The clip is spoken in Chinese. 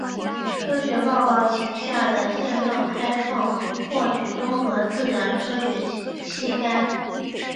科学报告旗下的线上开放获取综合自然科学期刊。